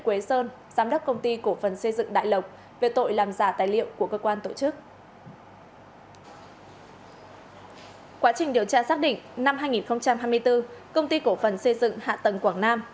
quá trình điều tra xác định năm hai nghìn hai mươi bốn công ty cổ phần xây dựng hạ tầng quảng nam